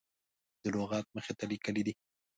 د لغت مخې ته لیکلي دي.